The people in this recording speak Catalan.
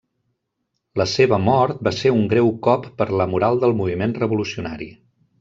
La seva mort va ser un greu cop per a la moral del moviment revolucionari.